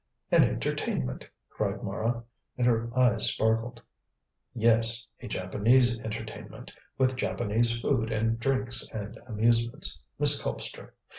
"An entertainment!" cried Mara, and her eyes sparkled. "Yes! A Japanese entertainment, with Japanese food and drinks and amusements, Miss Colpster.